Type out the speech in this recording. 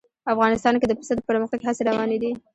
افغانستان کې د پسه د پرمختګ هڅې روانې دي.